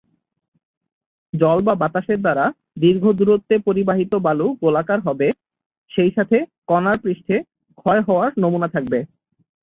জল বা বাতাসের দ্বারা দীর্ঘ দূরত্বে পরিবাহিত বালু গোলাকার হবে, সেই সাথে কণার পৃষ্ঠে ক্ষয় হওয়ার নমুনা থাকবে।